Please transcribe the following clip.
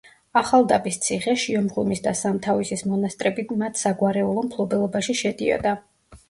ახალდაბის ციხე, შიომღვიმის და სამთავისის მონასტრები მათ საგვარეულო მფლობელობაში შედიოდა.